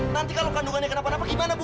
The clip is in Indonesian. nanti kalau kandungannya kenapa napa gimana bu